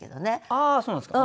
ああそうなんですか。